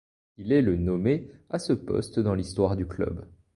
Il est le nommé à ce poste dans l'histoire du club.